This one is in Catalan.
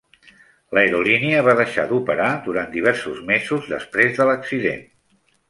L'aerolínia va deixar d'operar durant diversos mesos després de l'accident.